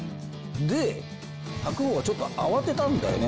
で、白鵬がちょっと慌てたんだよね。